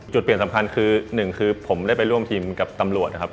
จุดเปลี่ยนสำคัญคือหนึ่งคือผมได้ไปร่วมทีมกับตำรวจนะครับ